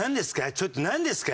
ちょっとなんですか？